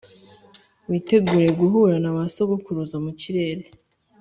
witegure guhura na ba sogokuruza mu kirere: